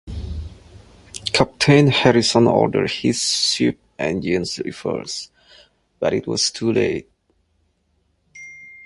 Captain Harrison ordered his ship's engines reversed, but it was too late.